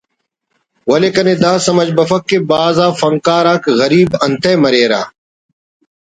ولے کنے دا سمجھ بفک کہ بھاز آ فنکار آک غریب انتئے مریرہ